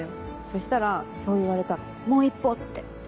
そしたらそう言われたの「もう一歩」って。